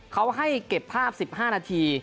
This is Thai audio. เขาให้เก็บภาพ๑๕นาที